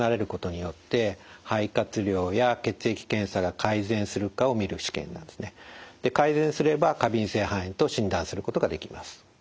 改善すれば過敏性肺炎と診断することができます。